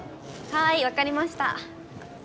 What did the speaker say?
はい分かりました。